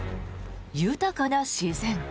豊かな自然。